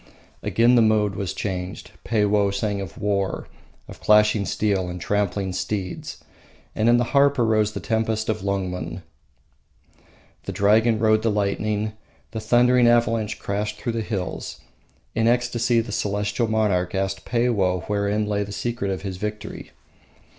Again the mode was changed; Peiwoh sang of war, of clashing steel and trampling steeds. And in the harp arose the tempest of Lungmen, the dragon rode the lightning, the thundering avalanche crashed through the hills. In ecstasy the Celestial monarch asked Peiwoh wherein lay the secret of his victory.